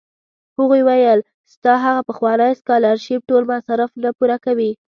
هغوی ویل ستا هغه پخوانی سکالرشېپ ټول مصارف نه پوره کوي.